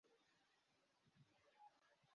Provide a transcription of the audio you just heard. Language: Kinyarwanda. ugehere ubu buyobozi bwize